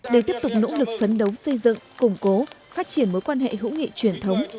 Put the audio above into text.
để tiếp tục nỗ lực phấn đấu xây dựng củng cố phát triển mối quan hệ hữu nghị truyền thống